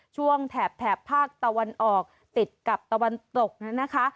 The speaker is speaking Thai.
ช่วงแถบภาคตะวันออกติดกับตะวันตก